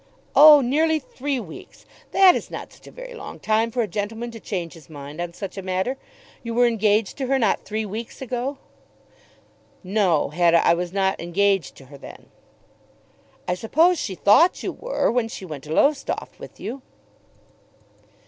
"Oh; nearly three weeks! That is not such a very long time for a gentleman to change his mind on such a matter. You were engaged to her, not three weeks ago." "No, Hetta, I was not engaged to her then." "I suppose she thought you were when she went to Lowestoft with you."